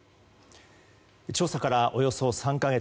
調査からおよそ３か月。